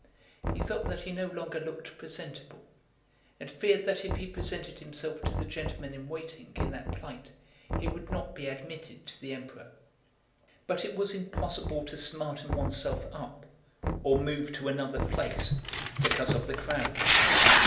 He felt that he no longer looked presentable, and feared that if he were now to approach the gentlemen in waiting in that plight he would not be admitted to the Emperor. But it was impossible to smarten oneself up or move to another place, because of the crowd.